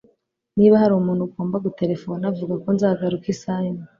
Niba hari umuntu ugomba guterefona, vuga ko nzagaruka isaha imwe.